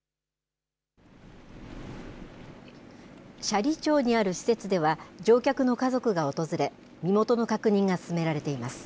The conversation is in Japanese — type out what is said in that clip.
斜里町にある施設では、乗客の家族が訪れ、身元の確認が進められています。